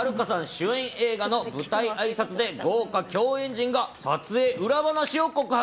主演映画の舞台あいさつで、豪華共演陣が撮影裏話を告白。